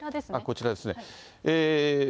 こちらですね。